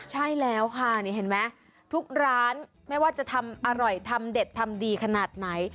ใช่แล้วค่ะนี่เห็นไหมทุกร้านไม่ว่าจะทำอร่อยทำเด็ดทำดีขนาดไหน